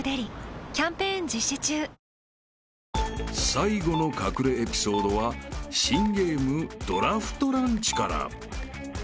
［最後の隠れエピソードは新ゲームドラフトランチから］